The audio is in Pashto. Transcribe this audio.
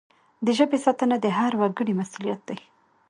د ژبي ساتنه د هر وګړي مسؤلیت دی.